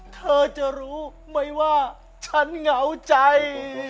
เธอจะรู้ไหมว่าฉันเหงาใจ